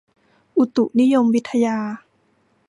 อุตุนิยมวิทยา